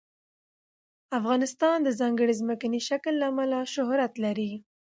افغانستان د ځانګړي ځمکني شکل له امله شهرت لري.